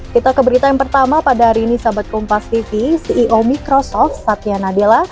kita ke berita yang pertama pada hari ini sahabat kompas tv ceo microsoft satya nadela